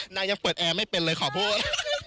นางยังเปิดแอร์ไม่เป็นเลยขอพูด